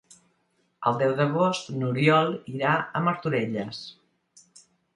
El deu d'agost n'Oriol irà a Martorelles.